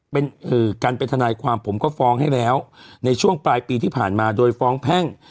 เป็นการเป็นทนายความผมก็ฟ้องให้แล้วในช่วงปลายปีที่ผ่านมาโดยฟ้องแพ่ง